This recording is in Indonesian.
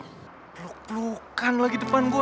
peluk pelukan lagi depan gue